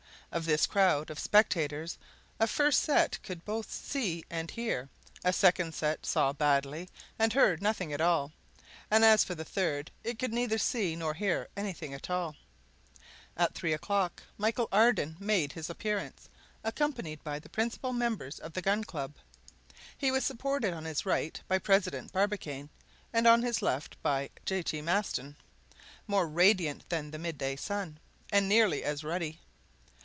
Of this crowd of spectators a first set could both see and hear; a second set saw badly and heard nothing at all; and as for the third, it could neither see nor hear anything at all. At three o'clock Michel Ardan made his appearance, accompanied by the principal members of the Gun Club. He was supported on his right by President Barbicane, and on his left by J. T. Maston, more radiant than the midday sun, and nearly as ruddy.